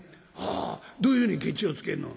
「ああ。どういうふうにケチをつけんの？」。